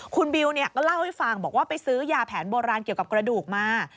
คุณบิวก็เล่าให้ฟังบอกว่าไปซื้อยาแผนโบราณเกี่ยวกับกระดูกมา